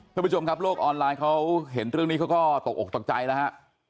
ท่านผู้ชมครับโลกออนไลน์เขาเห็นเรื่องนี้เขาก็ตกออกตกใจแล้วฮะ